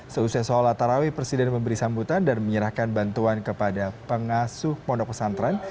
seusai sholat tarawih presiden memberi sambutan dan menyerahkan bantuan kepada pengasuh pondok pesantren